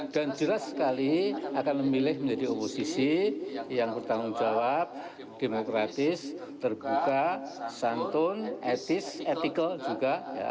dan jelas sekali akan memilih menjadi oposisi yang bertanggung jawab demokratis terbuka santun etis etikal juga